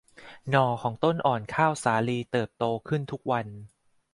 หน่อของต้นอ่อนข้าวสาลีเติบโตขึ้นทุกวัน